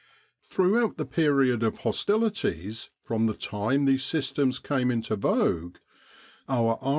Throughout the period of hostilities, from the time these systems came into vogue, our R.